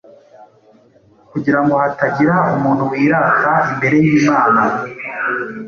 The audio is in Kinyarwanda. kugira ngo hatagira umuntu wirata imbere y’Imana.”